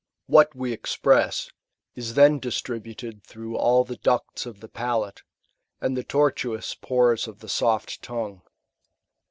What we express, is then distributed through all the ducts of the palate, and the tortuous pores of the soft tongue.